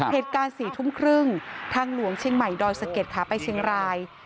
เหตุการณ์๔ทุ่มครึ่งทางหลวงเชียงใหม่ดอยสะเก็ดขาไปเชียงราย